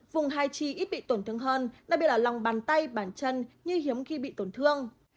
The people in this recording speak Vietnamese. vùng hai chi ít bị tổn thương hơn đặc biệt là lòng bàn tay bàn chân như hiếm khi bị tổn thương